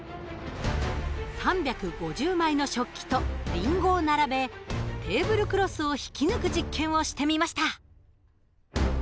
３５０枚の食器とりんごを並べテーブルクロスを引き抜く実験をしてみました。